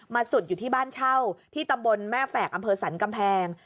สุดอยู่ที่บ้านเช่าที่ตำบลแม่แฝกอำเภอสันกำแพง